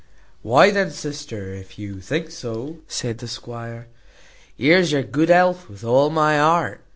"Why then, sister, if you think so," said the squire, "here's your good health with all my heart.